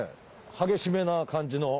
激しめな感じの。